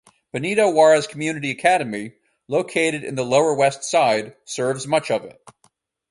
Benito Juarez Community Academy, located in the Lower West Side, serves much of it.